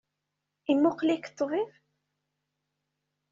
Imuqel-ik ṭṭbib?